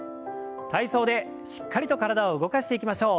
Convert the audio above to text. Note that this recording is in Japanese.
体操でしっかりと体を動かしていきましょう。